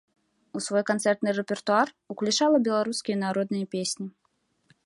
У свой канцэртны рэпертуар ўключала беларускія народныя песні.